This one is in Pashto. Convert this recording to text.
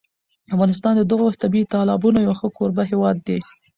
افغانستان د دغو طبیعي تالابونو یو ښه کوربه هېواد دی.